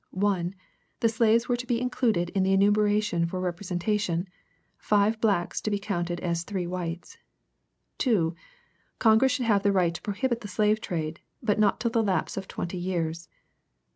1. The slaves were to be included in the enumeration for representation, five blacks to be counted as three whites. 2. Congress should have the right to prohibit the slave trade, but not till the lapse of twenty years.